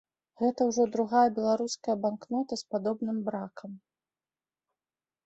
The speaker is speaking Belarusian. Гэта ўжо другая беларуская банкнота з падобным бракам.